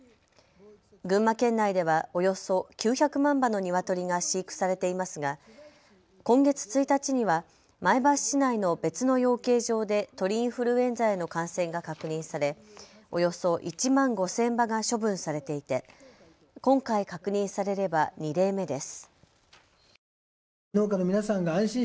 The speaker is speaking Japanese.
群馬県内ではおよそ９００万羽のニワトリが飼育されていますが今月１日には前橋市内の別の養鶏場で鳥インフルエンザへの感染が確認され、およそ１万５０００羽が処分されていて今回確認されれば２例目です。